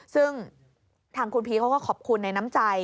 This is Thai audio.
ซึ่งทางคุณพีชเขาก็ขอบคุณในน้ำใจ